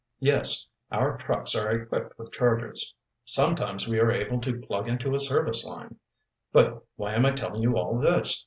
"Yes, our trucks are equipped with chargers. Sometimes we are able to plug into a service line. But why am I telling you all this?